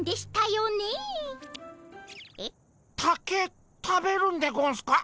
竹食べるんでゴンスか？